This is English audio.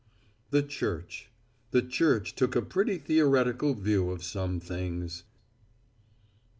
The Church the Church took a pretty theoretical view of some things.